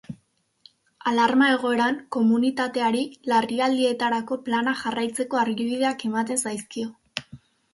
Alarma egoeran komunitateari larrialdietarako plana jarraitzeko argibideak ematen zaizkio.